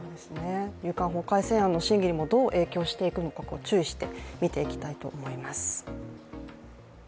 入管法改正案の審議にもどう影響していくのか注意して見ていきたいと思います。